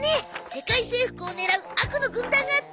世界征服を狙う悪の軍団があって。